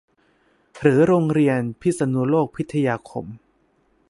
หรือโรงเรีบยพิษณุโลกพิทยาคม